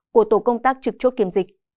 của tổ công tác trực chốt kiểm dịch